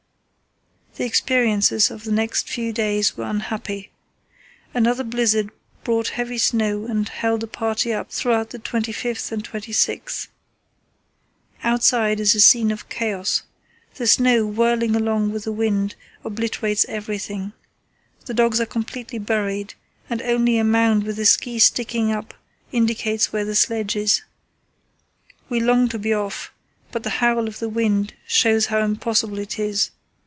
The experiences of the next few days were unhappy. Another blizzard brought heavy snow and held the party up throughout the 25th and 26th. "Outside is a scene of chaos. The snow, whirling along with the wind, obliterates everything. The dogs are completely buried, and only a mound with a ski sticking up indicates where the sledge is. We long to be off, but the howl of the wind shows how impossible it is.